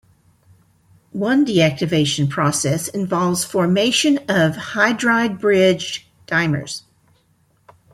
One deactivation process involves formation of hydride-bridged dimers.